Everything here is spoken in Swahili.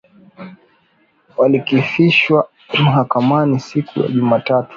walifikishwa mahakamani siku ya Jumatatu